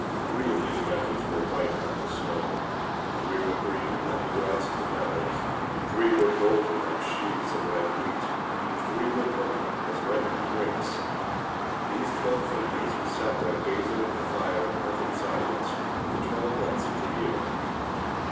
Three of these mantles were white like the snow, three were green like the grass of the meadows, three were golden like sheaves of ripe wheat, and three were purple as ripened grapes. These twelve figures, who sat there gazing at the fire in perfect silence, were the Twelve Months of the Year.